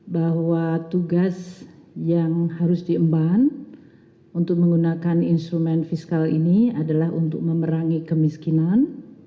bahwa tugas yang harus diemban untuk menggunakan instrumen fiskal ini adalah untuk memerangi kemiskinan